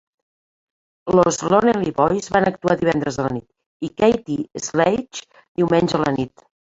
Los Lonely Boys van actuar divendres a la nit i Kathy Sledge, diumenge a la nit.